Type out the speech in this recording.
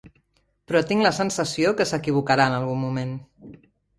Però tinc la sensació que s'equivocarà en algun moment.